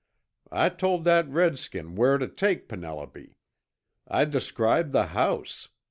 I told that Redskin where tuh take Penelope. I described the house!